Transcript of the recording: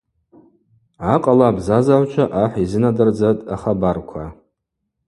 Акъала абзазагӏвчва ахӏ йзынадырдзатӏ ахабарква.